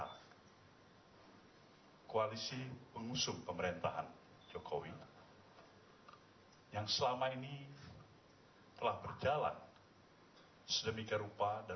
hai koalisi pengusum pemerintahan jokowi yang selama ini telah berjalan sedemikian rupa dan